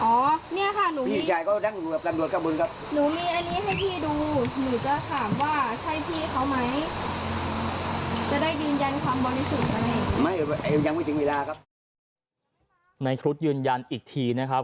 จะได้ยืนยันความบริสุทธิ์ไหมไม่ยังไม่ถึงเวลาครับในครุฑยืนยันอีกทีนะครับ